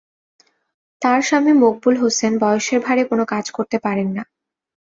তাঁর স্বামী মকবুল হোসেন বয়সের ভারে কোনো কাজ করতে পারেন না।